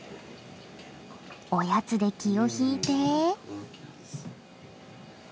おやつで気を引いて。